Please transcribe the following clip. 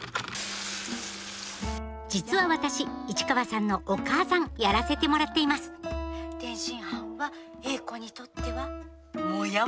実は私市川さんのお母さんやらせてもらっています「天津飯は詠子にとってはモヤモヤ飯」。